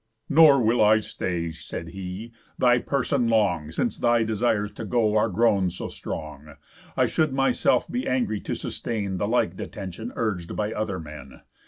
"Nor will I stay," said he, "thy person long, Since thy desires to go are grown so strong. I should myself be angry to sustain The like detention urg'd by other men.